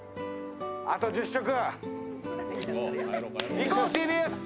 あと１０食！